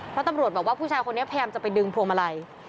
เพราะตำรวจบอกว่าผู้ชายคนนี้พยายามจะไปดึงพวงมาลัย